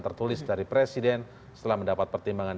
tertulis dari presiden setelah mendapat pertimbangan